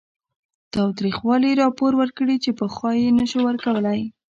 تاوتریخوالي راپور ورکړي چې پخوا یې نه شو ورکولی